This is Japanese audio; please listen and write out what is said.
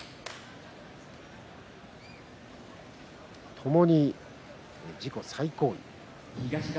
ともに自己最高位です。